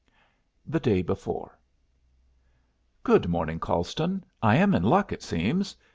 THE DAY BEFORE "Good morning, Colston. I am in luck, it seems.